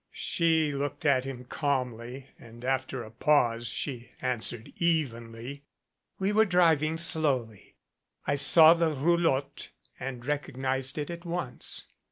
She looked at him calm ly and after a pause she answered evenly. "We were driving slowly. I saw the roulotte and recognized it at once.